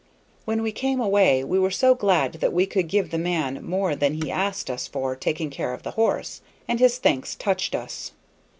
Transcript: When we came away we were so glad that we could give the man more than he asked us for taking care of the horse, and his thanks touched us.